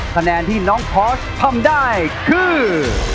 คะแนนที่น้องพอสทำได้คือ